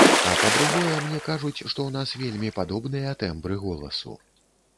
А па-другое, мне кажуць, што ў нас вельмі падобныя тэмбры голасу.